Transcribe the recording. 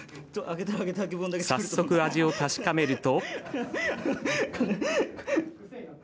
早速、味を確かめると。